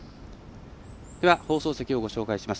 放送席をご紹介します。